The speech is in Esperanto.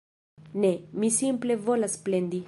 Ne, mi simple volas plendi